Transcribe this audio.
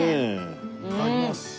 いただきます。